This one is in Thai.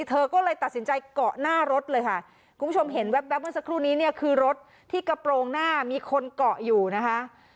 เธอก็เลยตัดสินใจเกาะหน้ารถเลยค่ะคุณผู้ชมเห็นแว๊บเมื่อสักครู่นี้เนี่ยคือรถที่กระโปรงหน้ามีคนเกาะอยู่นะคะ